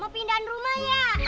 mau pindahan rumah ya